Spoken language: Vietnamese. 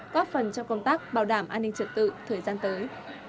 góp phần trong công tác bảo đảm an ninh trật tự thời gian tới